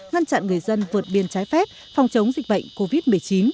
ngăn chặn người dân vượt biên trái phép phòng chống dịch bệnh covid một mươi chín